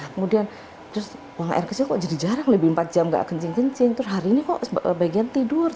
kemudian terus buang air kecil kok jadi jarang lebih empat jam nggak kencing kencing terus hari ini kok sebagian tidur